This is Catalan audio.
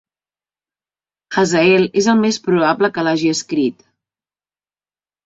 Hazael és el més probable que l'hagi escrit.